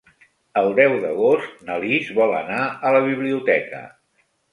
El deu d'agost na Lis vol anar a la biblioteca.